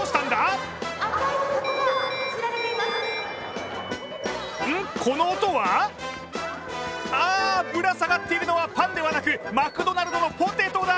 ん、この音は？あー、ぶら下がっているのはパンではなくマクドナルドのポテトだ。